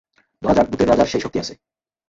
ধরা যাক, ভূতের রাজার সেই শক্তি আছে।